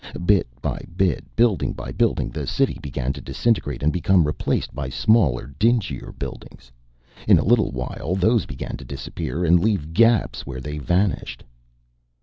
Bit by bit, building by building, the city began to disintegrate and become replaced by smaller, dingier buildings. In a little while those began to disappear and leave gaps where they vanished.